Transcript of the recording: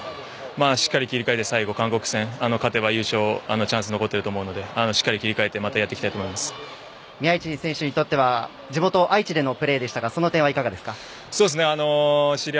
まあ、しっかり切り替えて最後、韓国戦に勝てば優勝のチャンス残っていると思うのでしっかり切り替えて宮市選手にとっては地元愛知でのプレーでしたがその点はいかがでしたか。